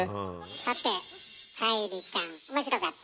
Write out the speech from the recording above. さて沙莉ちゃん面白かった？